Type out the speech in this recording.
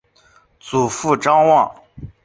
祖父张旺。